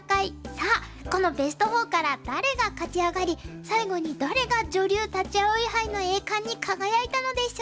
さあこのベスト４から誰が勝ち上がり最後に誰が女流立葵杯の栄冠に輝いたのでしょうか。